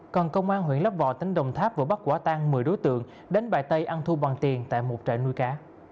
còn công an huyện lắp vò tỉnh đồng tháp vừa bắt quả tang một mươi đối tượng đánh bài tay ăn thu bằng tiền tại một trại nuôi cá